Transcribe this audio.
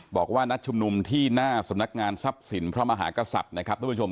บอกว่ารัดชุมนุมที่หน้าสำนักงานทรัพย์สินพระมหากศัตริ์